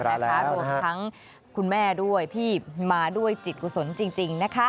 รวมทั้งคุณแม่ด้วยที่มาด้วยจิตกุศลจริง